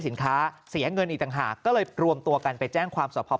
สินค้าเสียเงินอีกต่างหากก็เลยรวมตัวกันไปแจ้งความสอบพอ